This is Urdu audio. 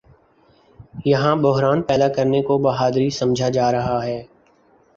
یہاں بحران پیدا کرنے کو بہادری سمجھا جا رہا ہے۔